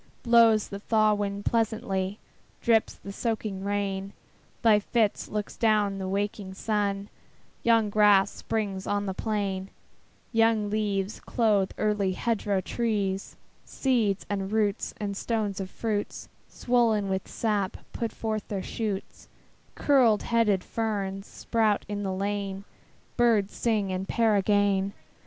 Blows the thaw wind pleasantly, Drips the soaking rain, By fits looks down the waking sun: Young grass springs on the plain; Young leaves clothe early hedgerow trees; Seeds, and roots, and stones of fruits, Swollen with sap, put forth their shoots; Curled headed ferns sprout in the lane; Birds sing and pair again.